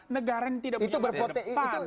negara yang tidak punya kebencian